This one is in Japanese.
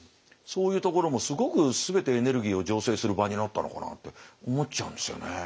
そういうところもすごく全てエネルギーを醸成する場になったのかなって思っちゃうんですよね